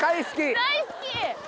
大好き！